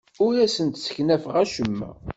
Ur d-sseknafeɣ acemma.